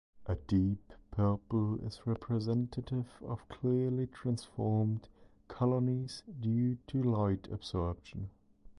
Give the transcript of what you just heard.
A deep purple is representative of clearly transformed colonies, due to light absorption.